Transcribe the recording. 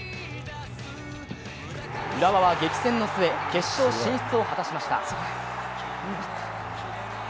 浦和は激戦の末、決勝進出を果たしました。